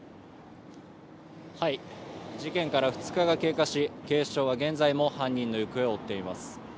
事件から２日が経過し警視庁は現在も犯人の行方を追っています